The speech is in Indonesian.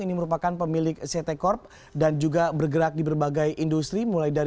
ini merupakan pemilik ct corp dan juga bergerak di berbagai industri mulai dari